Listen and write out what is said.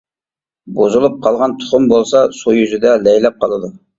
بۇزۇلۇپ قالغان تۇخۇم بولسا سۇ يۈزىدە لەيلەپ قالىدۇ.